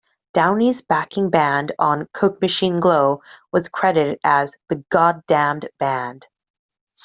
Downie's backing band on "Coke Machine Glow" was credited as "the Goddamned Band".